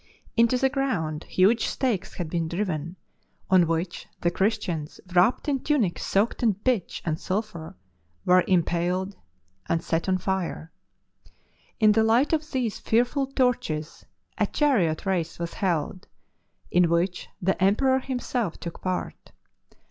I THE MARTYR'S CROWN 123 Into the ground huge stakes had been driven, on which the Christians, wrapped m tunics soaked m pitch and sulphur were impaled and set on fire. In the light o trese fearful torches a chariot race was held, in which the Emperor himself took part.